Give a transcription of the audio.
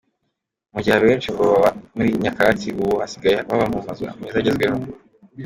Mu gihe abenshi ngo babaga muri nyakatsi, ubu basigaye baba mu mazu meza agezweho.